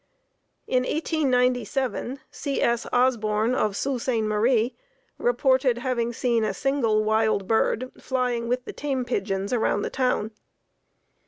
In 1897 C. S. Osborn of Sault Ste Marie reported having seen a single wild bird flying with the tame pigeons around the town.